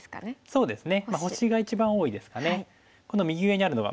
そうですね